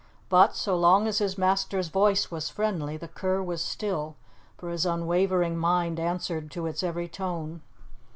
But, so long as his master's voice was friendly, the cur was still, for his unwavering mind answered to its every tone.